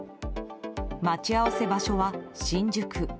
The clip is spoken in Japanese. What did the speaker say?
待ち合わせ場所は新宿。